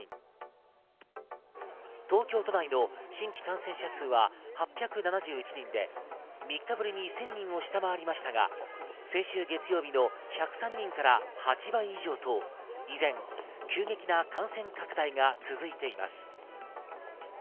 東京都内の新規感染者数は８７１人で３日ぶりに１０００人を下回りましたが、先週月曜日の１０３人から８倍以上と依然、急激な感染拡大が続いています。